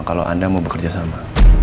kalau anda mau bekerja sama